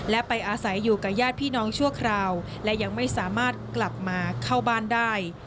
และไปอาศัยอยู่กับญาติพี่น้องชั่วคราวและยังไม่สามารถกลับมาเข้าบ้านได้